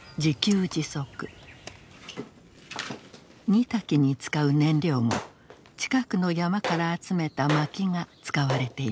煮炊きに使う燃料も近くの山から集めたまきが使われています。